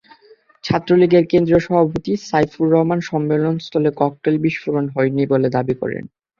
ছাত্রলীগের কেন্দ্রীয় সভাপতি সাইফুর রহমান সম্মেলনস্থলে ককটেল বিস্ফোরণ হয়নি বলে দাবি করেন।